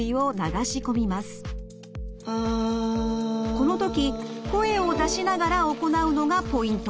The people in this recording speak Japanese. この時声を出しながら行うのがポイント。